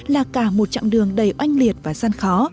là cả một chặng đường đầy oanh liệt và gian khó